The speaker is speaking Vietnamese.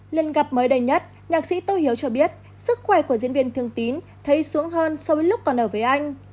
lần gặp mới đây nhất nhạc sĩ tô hiếu cho biết sức khỏe của diễn viên thường tín thấy xuống hơn so với lúc còn ở với anh